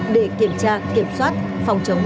để kiểm tra kiểm soát phòng chống